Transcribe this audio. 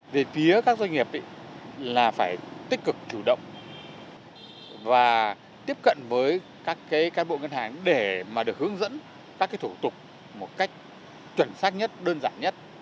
về phía các doanh nghiệp là phải tích cực chủ động và tiếp cận với các cán bộ ngân hàng để được hướng dẫn các thủ tục một cách chuẩn xác nhất đơn giản nhất